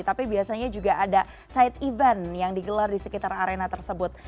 tapi biasanya juga ada side event yang digelar di sekitar arena tersebut